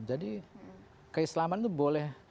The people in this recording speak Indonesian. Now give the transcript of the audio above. jadi keislaman itu boleh